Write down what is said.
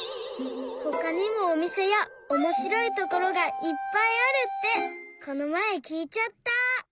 ほかにもおみせやおもしろいところがいっぱいあるってこのまえきいちゃった！